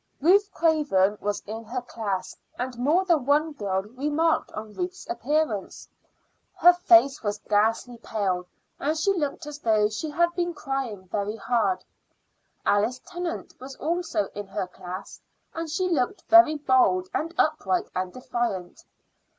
Ruth Craven was in her class, and more than one girl remarked on Ruth's appearance. Her face was ghastly pale, and she looked as though she had been crying very hard. Alice Tennant was also in her class, and she looked very bold and upright and defiant.